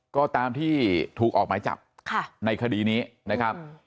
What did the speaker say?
ก็ตามที่ถูกออกหมายจับในคดีนี้นะครับ